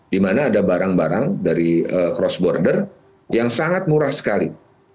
di mana ada barang barang dari cross border yang sangat murah sekali